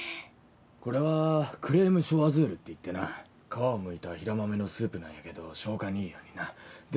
これはクレームショワズールっていってな皮をむいた平豆のスープなんやけど消化にいいようになで